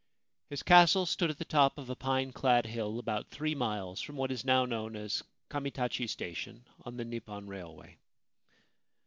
His castle stood on the top of a pine clad hill about three miles from what is now known as Kamitachi station on the Nippon Railway.